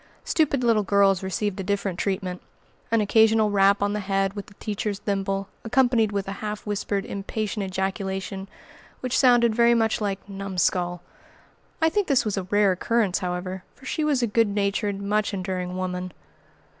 Stupid little girls received a different treatment, an occasional rap on the head with the teacher's thimble; accompanied with a half whispered, impatient ejaculation, which sounded very much like "Numskull!" I think this was a rare occurrence, however, for she was a good natured, much enduring woman.